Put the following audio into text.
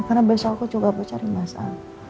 karena besok aku juga mau cari mas al